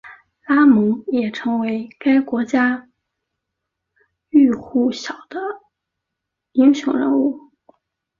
拉蒙也成为该国家喻户晓的英雄人物。